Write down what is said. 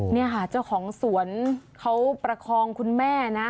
นี่ค่ะเจ้าของสวนเขาประคองคุณแม่นะ